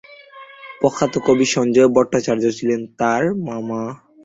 প্রখ্যাত কবি সঞ্জয় ভট্টাচার্য ছিলেন তার মামা।